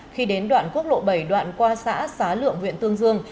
khi đến đoạn quốc lộ bảy đoạn qua xã xá lượng huyện tương dương